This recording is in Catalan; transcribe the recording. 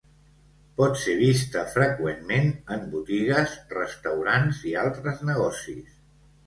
Pot ser vista freqüentment en botigues, restaurants i altres negocis.